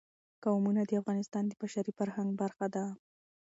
قومونه د افغانستان د بشري فرهنګ برخه ده.